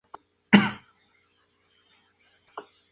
El arco de medio punto descansa sobre columnas con fustes muy decorados.